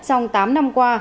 trong tám năm qua